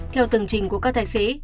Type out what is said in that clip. theo tường trình của các tài xế